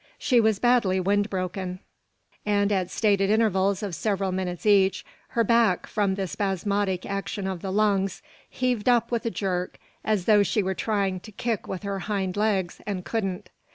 She was badly wind broken; and at stated intervals of several minutes each, her back, from the spasmodic action of the lungs, heaved up with a jerk, as though she were trying to kick with her hind legs, and couldn't.